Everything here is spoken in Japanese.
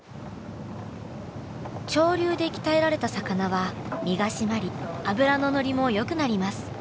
潮流で鍛えられた魚は身が締まり脂ののりも良くなります。